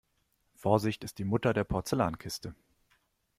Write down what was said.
Vorsicht ist die Mutter der Porzellankiste.